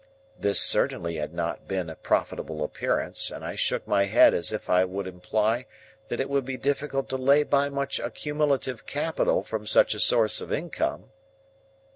This certainly had not a profitable appearance, and I shook my head as if I would imply that it would be difficult to lay by much accumulative capital from such a source of income.